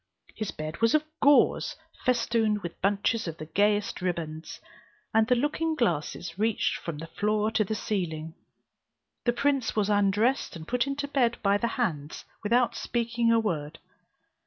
His bed was of gauze, festooned with bunches of the gayest ribands, and the looking glasses reached from the floor to the ceiling. The prince was undressed and put into bed by the hands, without speaking a word.